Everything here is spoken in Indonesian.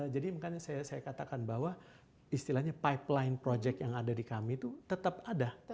jadi makanya saya katakan bahwa istilahnya pipeline project yang ada di kami itu tetap ada